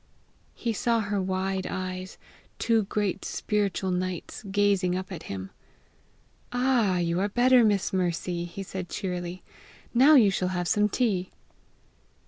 He saw her wide eyes, two great spiritual nights, gazing up at him. "All, you are better, Miss Mercy!" lie said cheerily. "Now you shall have some tea!"